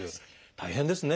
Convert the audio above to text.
大変ですね。